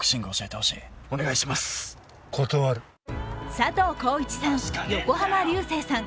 佐藤浩市さん、横浜流星さん